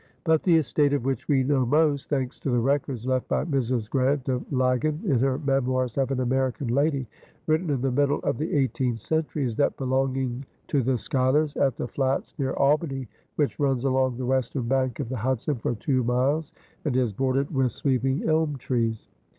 But the estate of which we know most, thanks to the records left by Mrs. Grant of Laggan in her Memoirs of an American Lady, written in the middle of the eighteenth century, is that belonging to the Schuylers at "the Flats" near Albany, which runs along the western bank of the Hudson for two miles and is bordered with sweeping elm trees.